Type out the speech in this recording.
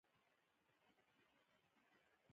نوم او کارنامو ته یې د عقیدت ګلونه وړاندي کوم